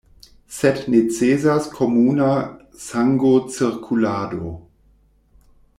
Sed necesas komuna sangocirkulado.